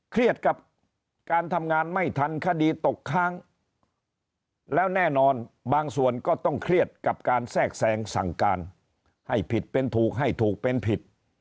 เครียดกับการทำงานไม่ทันคดีตกค้างแล้วแน่นอนบางส่วนก็ต้องเครียดกับการแทรกแทรงสั่งการให้ผิดเป็นถูกให้ถูกเป็นผิด